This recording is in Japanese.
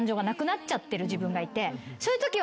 そういうときは。